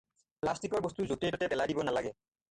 প্লাষ্টিকৰ বস্তু য'তে-ত'তে পলাই দিব নালাগে।